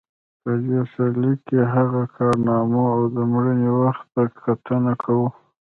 په دې سرلیک کې د هغه کارنامو او د مړینې وخت ته کتنه کوو.